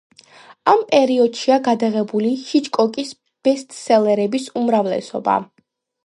ამ პერიოდშია გადაღებული ჰიჩკოკის ბესტსელერების უმრავლესობა.